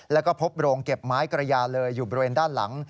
แล้วก็พบโรงเก็บไม้กระยาเลยอยู่บริเวณด้านหลัง